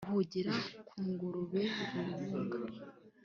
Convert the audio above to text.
Uhugira ku ngurube rubunga: